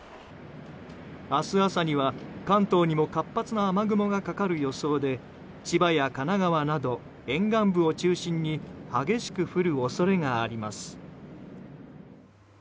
明日朝には関東にも活発な雨雲がかかる予想で千葉や神奈川など沿岸部を中心に激しく降る恐れがあります。